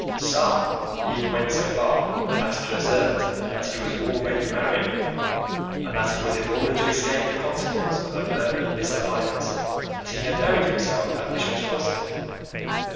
Some even went so far as to assert that he was already married, and that it was in order to escape the consequence of an early misalliance that he had buried himself at Bishop's Crossing.